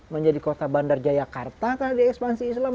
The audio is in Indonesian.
menjadi kota bandar jakarta karena dia ekspansi islam